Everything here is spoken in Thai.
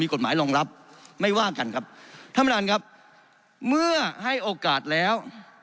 กฎหมายรองรับไม่ว่ากันครับท่านประธานครับเมื่อให้โอกาสแล้ว